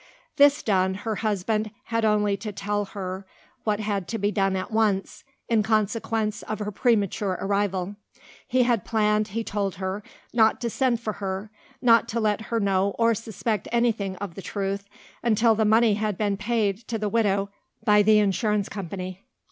This done, her husband had only to tell her what had to be done at once, in consequence of her premature arrival. He had planned, he told her, not to send for her not to let her know or suspect anything of the truth until the money had been paid to the widow by the Insurance Company.